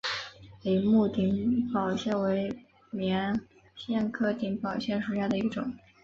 铃木顶苞藓为锦藓科顶苞藓属下的一个种。